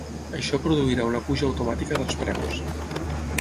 Això produirà una puja automàtica dels preus.